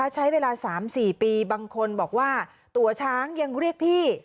ใช้เวลา๓๔ปีบางคนบอกว่าตัวช้างยังเรียกพี่